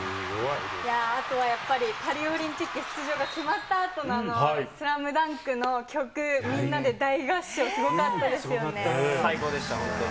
あとはやっぱり、パリオリンピック出場が決まったあとのＳＬＡＭＤＵＮＫの曲、みんなで大合唱、最高でした、本当に。